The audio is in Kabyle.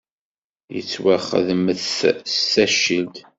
Yettwakedmet s taccilt.